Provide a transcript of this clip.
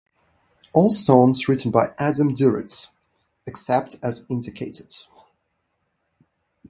All songs written by Adam Duritz except as indicated.